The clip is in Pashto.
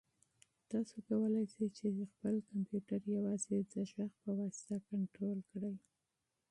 تاسو کولای شئ چې خپل کمپیوټر یوازې د غږ په واسطه کنټرول کړئ.